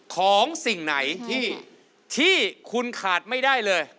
ของสิ่งไหนที่คุณขาดไม่ได้เลย